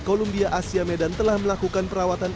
columbia asia medan telah melakukan perawatan